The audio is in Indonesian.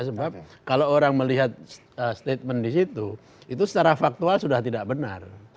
sebab kalau orang melihat statement di situ itu secara faktual sudah tidak benar